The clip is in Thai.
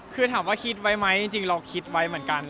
คือถามว่าคิดไว้ไหมจริงเราคิดไว้เหมือนกัน